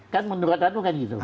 kan menurut anda kan begitu